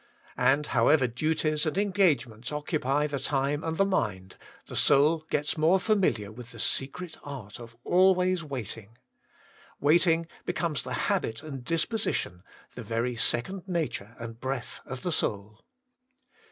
And however duties and engagements occupy the time and the mind, the soul gets more familiar with the secret art of always waiting. "Waiting becomes the habit and disposition, the very second nature and breath of the soul.